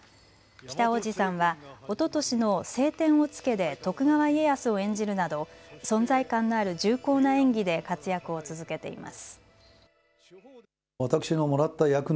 北大路さんはおととしの青天を衝けで徳川家康を演じるなど存在感のある重厚な演技で活躍を続けています。